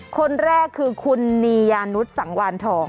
คนแรกคือคุณนิยะนุตสังวัณฑ์ทอง